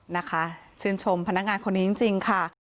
นะคะชื่นชมพนักงานคนนี้จริงค่ะ